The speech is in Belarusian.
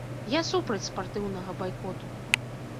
Я супраць спартыўнага байкоту.